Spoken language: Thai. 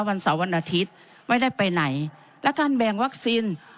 วันเสาร์วันอาทิตย์ไม่ได้ไปไหนและการแบ่งวัคซีน